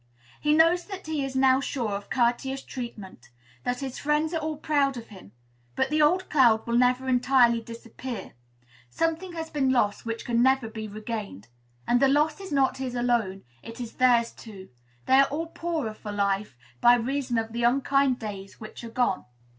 He knows that he is now sure of courteous treatment; that his friends are all proud of him; but the old cloud will never entirely disappear. Something has been lost which can never be regained. And the loss is not his alone, it is theirs too; they are all poorer for life, by reason of the unkind days which are gone.